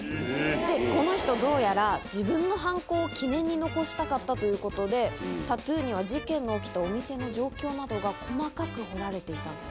でこの人どうやら自分の犯行を記念に残したかったということでタトゥーには事件が起きたお店の状況などが細かく彫られていたんです。